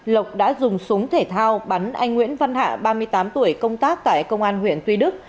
lộc đã dùng súng thể thao bắn anh nguyễn văn hạ ba mươi tám tuổi công tác tại công an huyện tuy đức